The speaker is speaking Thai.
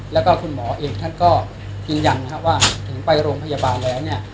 แล้วก็คุณหมอเองท่านก็ยืนยันนะครับว่าถึงไปโรงพยาบาลแล้วเนี่ย